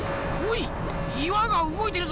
いわがうごいてるぞ！